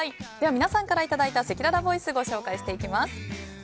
皆さんからいただいたせきららボイスをご紹介していきます。